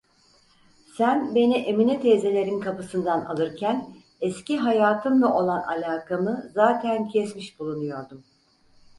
Sen beni Emine teyzelerin kapısından alırken eski hayatımla olan alakamı zaten kesmiş bulunuyordum.